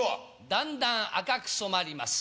だんだん赤く染まります。